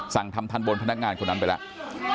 สั่งทำทันบนพนักงานคนนั้นไปแล้ว